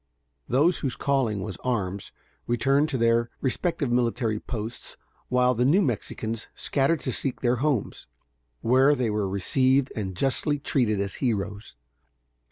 Those whose calling was arms, returned to their respective military posts, while the New Mexicans scattered to seek their homes, where they were received and justly treated as heroes.